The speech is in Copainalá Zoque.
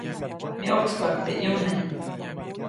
Myoʼkspaʼuŋ teʼ ʼyune.